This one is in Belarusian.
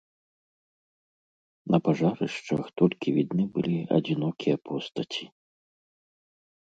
На пажарышчах толькі відны былі адзінокія постаці.